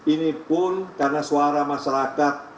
ini pun karena suara masyarakat